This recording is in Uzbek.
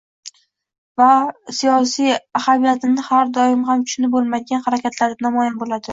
va siyosiy ahamiyatini har doim ham tushunib bo‘lmaydigan harakatlarda namoyon bo‘ladi.